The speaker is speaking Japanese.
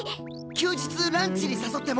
休日ランチに誘っても？